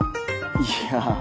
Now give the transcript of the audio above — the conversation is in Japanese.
いや。